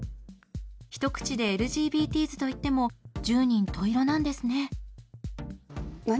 一口でＬＧＢＴｓといっても十人十色なんですね。